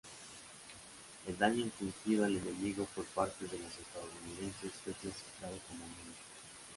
El daño infligido al enemigo por parte de los estadounidenses fue clasificado como mínimo.